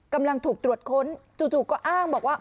กำลังถูกตรวจค้นจู่ก็อ้างบอกว่า